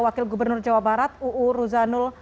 wakil gubernur jawa barat uu ruzanul